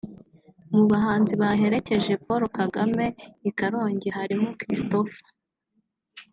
Mu bahanzi baherekeje Paul Kagame i Karongi harimo Christopher